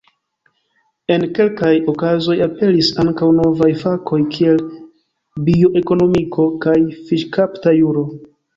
En kelkaj okazoj aperis ankaŭ novaj fakoj kiel bioekonomiko kaj fiŝkapta juro.